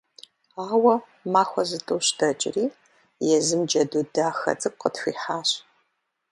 Ауэ махуэ зытӀущ дэкӀри, езым джэду дахэ цӀыкӀу къытхуихьащ…